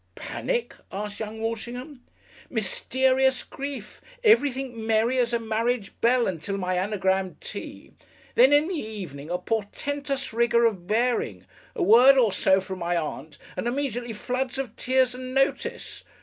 "Panic?" asked young Walshingham. "Mysterious grief! Everything merry as a marriage bell until my Anagram Tea! Then in the evening a portentous rigour of bearing, a word or so from my Aunt, and immediately Floods of Tears and Notice!"